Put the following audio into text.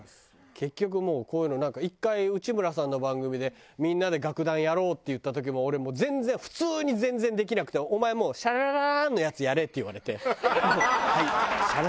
結局もうこういうのなんか１回内村さんの番組でみんなで楽団やろうっていった時も俺もう全然普通に全然できなくて「お前シャラララーンのやつやれ」って言われて「はい」。シャラララララーンっていうやつだけ。